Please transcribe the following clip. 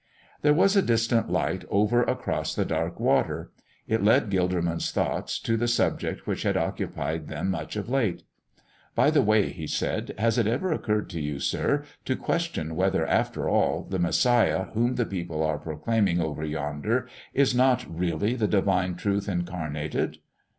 There was a distant light over across the dark water. It led Gilderman's thoughts to the subject which had occupied them much of late. "By the way," he said, "has it never occurred to you, sir, to question whether, after all, the Messiah whom the people are proclaiming over yonder is not really the Divine Truth incarnated?"